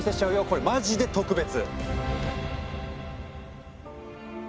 これマジで特別！